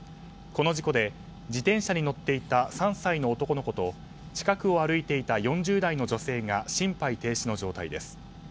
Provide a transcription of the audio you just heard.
この事故で自転車に乗っていた３歳の男の子と近くを歩いていた４０代の女性が心肺停止の状態です。